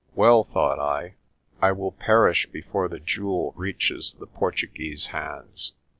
Well, thought I, I will perish before the jewel reaches the Portu guese's hands.